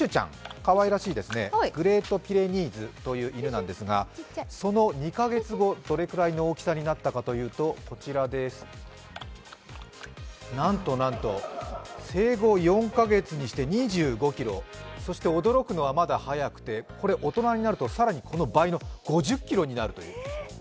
かわいらしいですね、グレートピレニーズという犬なんですが、その２カ月後、どれくらいの大きさになったかというとなんとなんと生後４カ月にして２５ｋｇそして、驚くのはまだ早くてこれ大人になると更にこの倍の５０ｋｇになると。